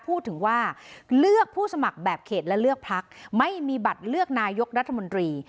พูดถึงว่าเลือกผู้สมัครแบบเขตและเลือกพักไม่มีบัตรเลือกนายกรัฐมนตรี